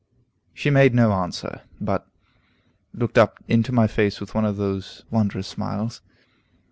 She made no answer, but looked up into my face with one of those wondrous smiles.